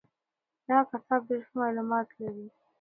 دغه کتاب ډېر ښه معلومات لري.